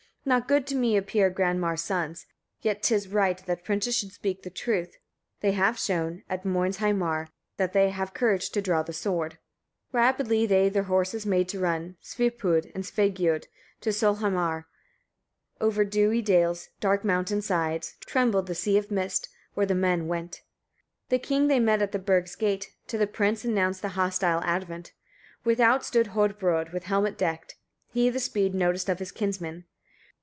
45. Not good to me appear Granmar's sons, yet 'tis right that princes should speak the truth: they have shown, at Moinsheimar, that they have courage to draw the sword." 46. Rapidly they their horses made to run, Svipud and Svegiud, to Solheimar, over dewy dales, dark mountain sides; trembled the sea of mist, where the men went. 47. The king they met at the burgh's gate, to the prince announced the hostile advent. Without stood Hodbrodd with helmet decked: he the speed noticed of his kinsmen.